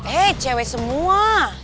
eh cewek semua